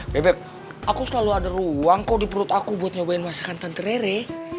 bebe aku selalu ada ruang kok di perut aku buat nyobain masakan tante rere